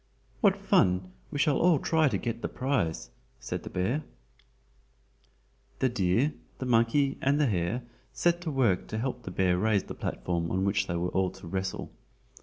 "What fun! we shall all try to get the prize," said the bear. The deer, the monkey and the hare set to work to help the bear raise the platform on which they were all to wrestle.